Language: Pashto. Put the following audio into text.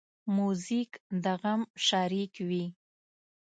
موزیک د غم شریک وي.